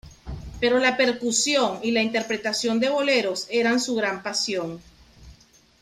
Pero la percusión y la interpretación de boleros eran su gran pasión.